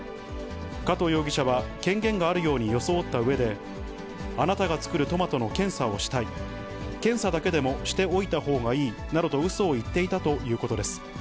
加藤容疑者は権限があるように装ったうえで、あなたが作るトマトの検査をしたい、検査だけでもしておいたほうがいいなどと、うそを言っていたということです。